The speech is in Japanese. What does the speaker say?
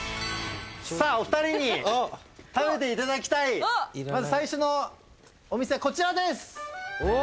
さあ、お２人に食べていただきたい、まず最初のお店、こちらです。